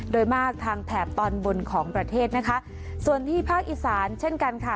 โดยมากทางแถบตอนบนของประเทศนะคะส่วนที่ภาคอีสานเช่นกันค่ะ